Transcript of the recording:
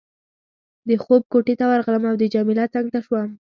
د خوب کوټې ته ورغلم او د جميله څنګ ته شوم.